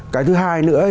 cái thứ hai nữa